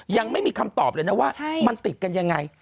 ยังไม่มีคำตอบเลยนะว่ามันติดกันยังไง